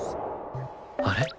あれ？